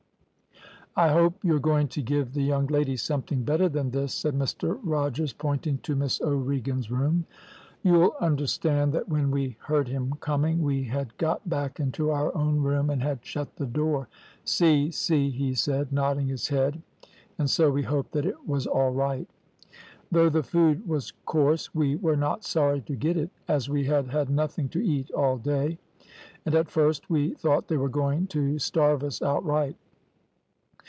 "`I hope you're going to give the young lady something better than this,' said Mr Rogers, pointing to Miss O'Regan's room. "You'll understand that when we heard him coming we had got back into our own room and had shut the door. `Si! Si!' he said, nodding his head, and so we hoped that it was all right. Though the food was coarse we were not sorry to get it, as we had had nothing to eat all day, and at first we thought they were going to starve us outright.